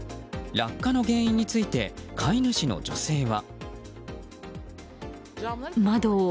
落下の原因について飼い主の女性は。